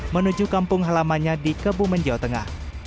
menuju kampung halamannya di kebumen jawa tengah